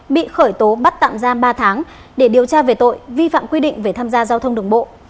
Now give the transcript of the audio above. bị khởi tố bắt tạm giam ba tháng để điều tra về tội vi phạm quy định về tham gia giao thông đường bộ